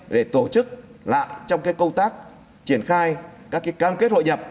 để tổ chức lại trong cái câu tác triển khai các cái cam kết hội nhập